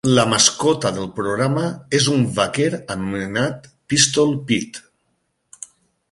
La mascota del programa és un vaquer anomenat Pistol Pete.